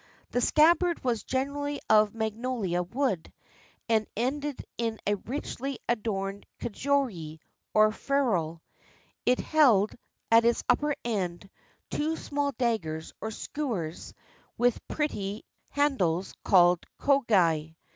The scabbard was generally of magnolia wood, and ended in a richly adorned kojiri, or ferrule. It held, at its upper end, two small daggers or skewers with pretty handles called kogai.